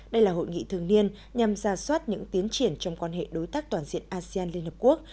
đây là hội nghị thường niên nhằm ra soát những tiến triển trong quan hệ đối tác toàn diện asean liên hợp quốc